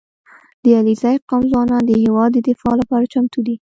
• د علیزي قوم ځوانان د هېواد د دفاع لپاره چمتو دي.